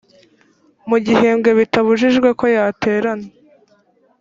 mu gihembwe bitabujijwe ko yaterana